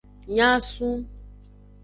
Nyasun.